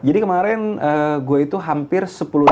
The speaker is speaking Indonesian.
jadi kemarin gue itu hampir sepuluh delapan ratus